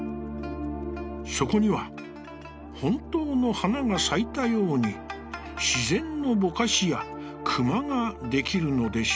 そこには、本当の花が咲いたように、自然のぼかしや、隈が出来るのでした」。